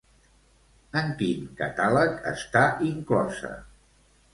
En quin catàleg està inclosa?